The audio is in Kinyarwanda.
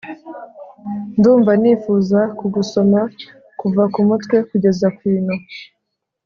ndumva nifuza kugusoma kuva ku mutwe kugeza kw’ino